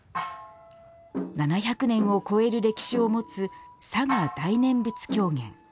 ７００年を超える歴史を持つ嵯峨大念仏狂言。